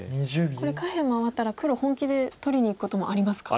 これ下辺回ったら黒本気で取りにいくこともありますか。